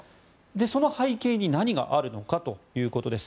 その背景に何があるのかということです。